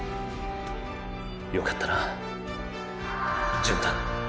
よかったな純太